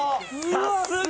さすが！